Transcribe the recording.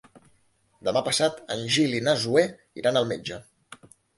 Demà passat en Gil i na Zoè iran al metge.